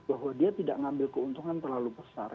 bahwa dia tidak ngambil keuntungan terlalu besar